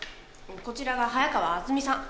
こちらが早川あつみさん。